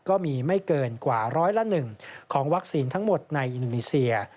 ไม่เกินกว่าร้อยละ๑ของวัคซีนทั้งหมดในอินโดนีเซีย